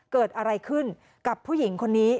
เกิดอะไรขึ้นกับผู้หญิงคนนี้